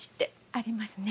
ありますね。